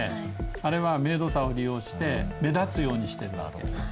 あれは明度差を利用して目立つようにしてるんだと思います。